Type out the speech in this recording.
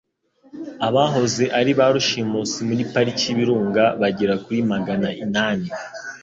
abahoze ari ba rushimusi muri Pariki y'Ibirunga bagera kuri magana inani